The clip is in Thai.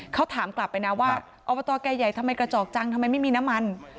เขาถามกลับไปนะว่าอบตแก่ใหญ่ทำไมกระจอกจังทำไมไม่มีน้ำมัน